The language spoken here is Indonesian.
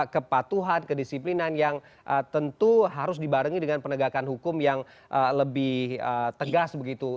kepatuhan kedisiplinan yang tentu harus dibarengi dengan penegakan hukum yang lebih tegas begitu